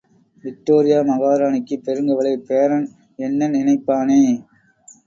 Victoria மகாராணிக்குப் பெருங் கவலை— பேரன் என்ன நினைப்பானே?